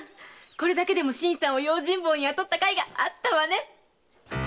これだけでも新さんを用心棒に雇った甲斐があったわね。